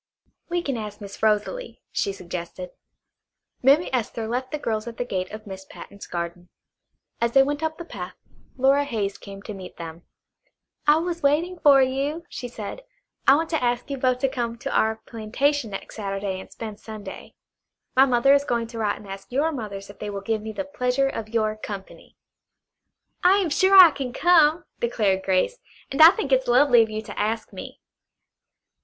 "We can ask Miss Rosalie," she suggested. Mammy Esther left the girls at the gate of Miss Patten's garden. As they went up the path Flora Hayes came to meet them. "I was waiting for you," she said. "I want to ask you both to come out to our plantation next Saturday and spend Sunday. My mother is going to write and ask your mothers if they will give me the pleasure of your company." "I am sure I can come," declared Grace, "and I think it's lovely of you to ask me."